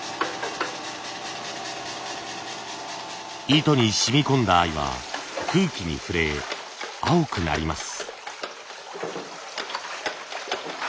糸に染み込んだ藍は空気に触れ青くなります。